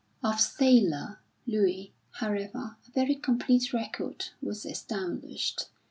Of "Sailor" Luie, however, a very complete record was established.